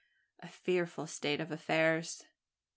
"A fearful state of affairs!"